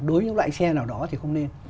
đối với những loại xe nào đó thì không nên